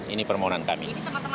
ini permohonan kami